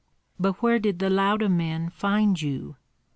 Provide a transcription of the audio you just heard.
"But where did the Lauda men find you?"